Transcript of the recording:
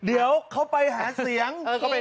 เดี๋ยวเขาไปหาเสียง